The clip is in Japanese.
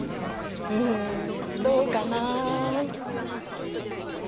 ふふんどうかな。